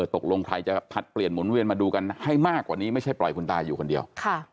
ตกลงใครจะผลัดเปลี่ยนหมุนเวียนมาดูกันให้มากกว่านี้ไม่ใช่ปล่อยคุณตาอยู่คนเดียว